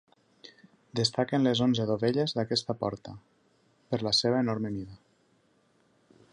Destaquen les onze dovelles d'aquesta porta, per la seva enorme mida.